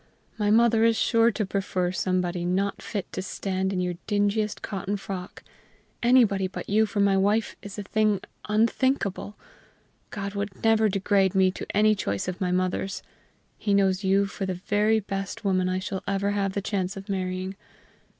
My mother is sure to prefer somebody not fit to stand in your dingiest cotton frock. Anybody but you for my wife is a thing unthinkable. God would never degrade me to any choice of my mother's! He knows you for the very best woman I shall ever have the chance of marrying.